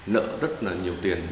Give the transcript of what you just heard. nợ rất là nhiều tiền